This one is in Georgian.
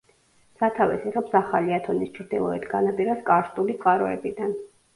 სათავეს იღებს ახალი ათონის ჩრდილოეთ განაპირას კარსტული წყაროებიდან.